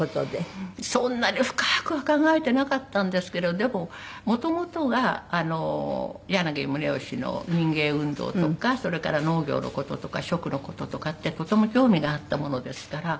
そんなに深くは考えてなかったんですけどでももともとが柳宗悦の民藝運動とかそれから農業の事とか食の事とかってとても興味があったものですから。